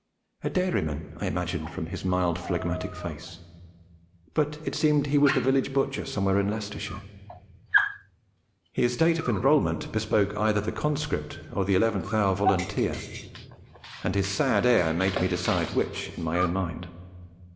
A dairyman, I imagined from his mild phlegmatic face; but it seemed he was the village butcher somewhere in Leicestershire. His date of enrolment bespoke either the conscript or the eleventh hour volunteer, and his sad air made me decide which in my own mind.